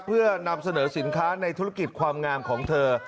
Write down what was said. เพื่อนำเสนอสินค้าในธุรกิจความงามของเธอ